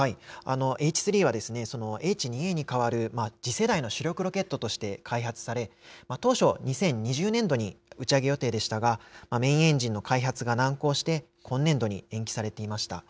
Ｈ３は、Ｈ２Ａに代わる次世代の主力ロケットとして開発され、当初、２０２０年度に打ち上げ予定でしたが、メインエンジンの開発が難航して、今年度に延期されていました。